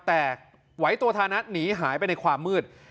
แต่เหตุวธนัดหนีหายไปในความมืด